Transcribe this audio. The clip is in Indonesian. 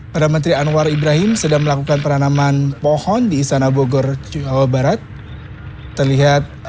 perda menteri anwar ibrahim sedang melakukan penanaman pohon di istana bogor jawa barat terlihat